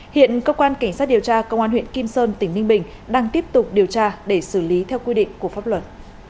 hiện cơ quan cảnh sát điều tra công an huyện kim sơn tỉnh ninh bình đang tiếp tục điều tra để xử lý theo quy định của pháp luật